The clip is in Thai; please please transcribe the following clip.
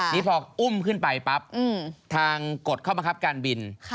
นี่พออุ้มขึ้นไปปั๊บทางกฎข้อบังคับการบิน